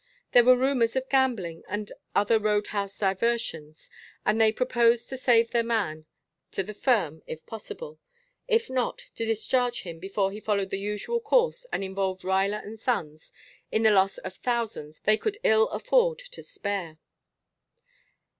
There were rumors of gambling and other road house diversions, and they proposed to save their man to the firm, if possible; if not, to discharge him before he followed the usual course and involved Ruyler and Sons in the loss of thousands they could ill afford to spare.